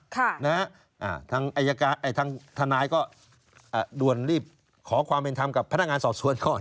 ทางอายการทางทนายก็ด่วนรีบขอความเป็นธรรมกับพนักงานสอบสวนก่อน